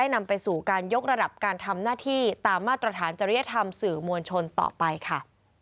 นำไปสู่การยกระดับการทำหน้าที่ตามมาตรฐานจริยธรรมสื่อมวลชนต่อไปค่ะ